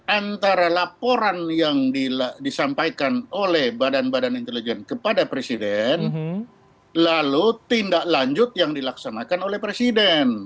antara laporan yang disampaikan oleh badan badan intelijen kepada presiden lalu tindak lanjut yang dilaksanakan oleh presiden